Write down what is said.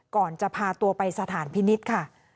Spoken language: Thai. ก่อนจะพาตัวไปสถานพินิษฐ์ค่ะ